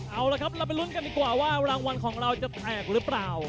เอาละครับเราไปลุ้นกันดีกว่าว่ารางวัลของเราจะแตกหรือเปล่า